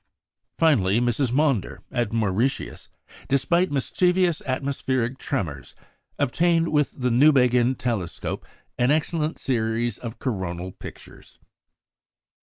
Finally, Mrs. Maunder, at Mauritius, despite mischievous atmospheric tremors, obtained with the Newbegin telescope an excellent series of coronal pictures.